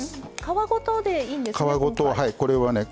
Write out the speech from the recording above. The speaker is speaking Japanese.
皮ごとでいいんですね。